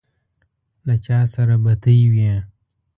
له چا سره بتۍ وې.